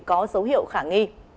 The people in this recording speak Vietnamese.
có dấu hiệu khả nghi